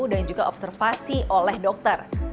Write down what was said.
dan juga observasi oleh dokter